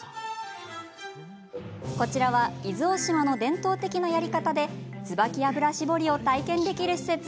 こちらは伊豆大島の伝統的なやり方で椿油搾りを体験できる施設。